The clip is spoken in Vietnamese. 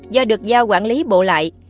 do được giao quản lý bộ lại